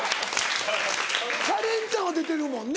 カレンちゃんは出てるもんね